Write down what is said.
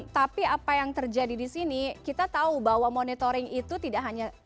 tapi apa yang terjadi di sini kita tahu bahwa monitoring itu tidak hanya